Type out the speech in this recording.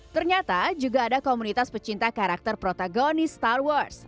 ternyata juga ada komunitas pecinta karakter protagonis star wars